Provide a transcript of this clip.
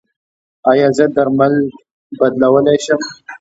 ایا زه درمل بدلولی شم؟